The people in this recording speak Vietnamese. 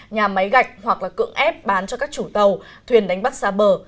nhà máy gạch hoặc cưỡng ép bán cho các chủ tàu thuyền đánh bắt xa bờ